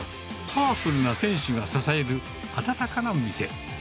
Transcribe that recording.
パワフルな店主が支える温かな店。